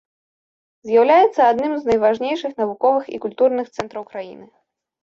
З'яўляецца адным з найважнейшых навуковых і культурных цэнтраў краіны.